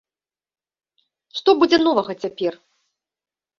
Што будзе новага цяпер?